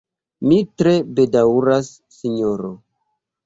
Mi tre bedaŭras, Sinjoro.